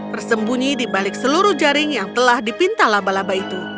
bersembunyi di balik seluruh jaring yang telah dipintal laba laba itu